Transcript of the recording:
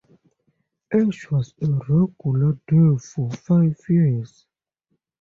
Ash was a regular there for five years.